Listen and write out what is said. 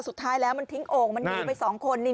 สุดท้ายแล้วมันทิ้งโอ้งมันอยู่ไปสองคนนี่